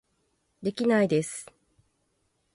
できないです